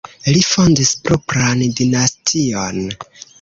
Li fondis propran dinastion.